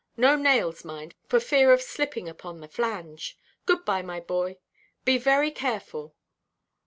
No nails, mind, for fear of slipping upon the flange. Good–bye, my boy; be very careful.